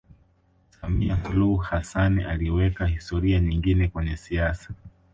samia suluhu hassan aliweka historia nyingine kwenye siasa